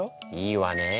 いいわねえ。